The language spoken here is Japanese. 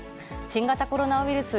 新型コロナウイルス